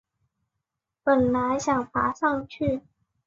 本来想爬上去